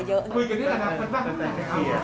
คุยกันด้วยอนาคตบ้างหรือเปล่า